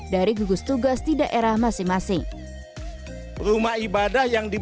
dari gugus tugas di daerah masing masing